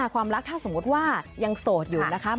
ความรักถ้าสมมุติว่ายังโสดอยู่นะคะ